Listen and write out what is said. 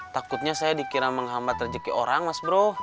takutnya saya dikira menghambat rezeki orang mas bro